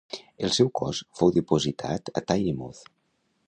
El seu cos fou dipositat a Tynemouth.